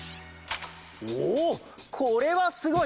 おこれはすごい！